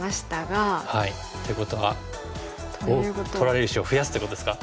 っていうことは取られる石を増やすっていうことですか。